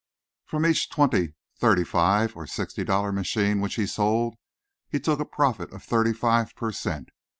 From each twenty, thirty five or sixty dollar machine which he sold, he took a profit of thirty five per cent.